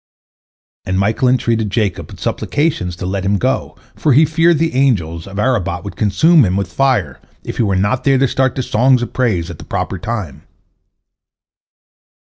And Michael entreated Jacob with supplications to let him go, for he feared the angels of 'Arabot would consume him with fire, if he were not there to start the songs of praise at the proper time.